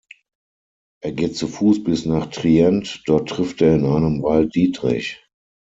Er geht zu Fuß bis nach Trient; dort trifft er in einem Wald Dietrich.